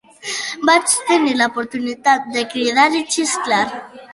Vaig tenir l'oportunitat de cridar i xisclar.